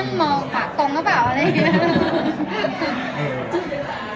นั่งมองฝากตรงรึเปล่าอะไรอย่างเนี้ย